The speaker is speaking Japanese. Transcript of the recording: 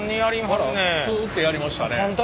あらスッてやりましたね。